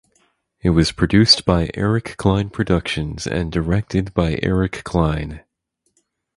It was produced by Eric Kline Productions and directed by Eric Kline.